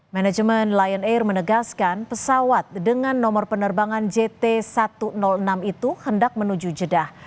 manajemen lion air menegaskan pesawat dengan nomor penerbangan jt satu ratus enam itu hendak menuju jeddah